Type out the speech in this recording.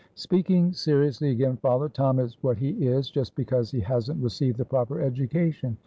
"Speaking seriously again, father, Tom is what he is just because he hasn't received the proper education.